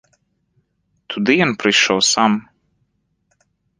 Туды ён прыйшоў сам.